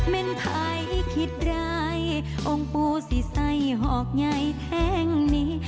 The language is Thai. แม่นภายคิดดายองค์ผู้ซี่ใส่หอกไยแท้งนี้